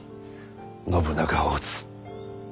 「信長を討つ」